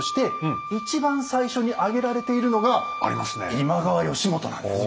今川義元なんですよ。